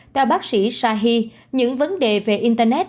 theo bác sĩ shahi những vấn đề về internet